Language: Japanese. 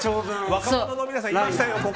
若者の皆さん、いましたよ